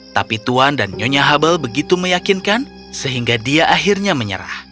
tapi tuan dan nyonya hubble begitu meyakinkan sehingga dia akhirnya menyerah